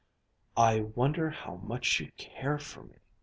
"I wonder how much you care for me?"